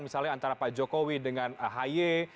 misalnya antara pak jokowi dengan ahy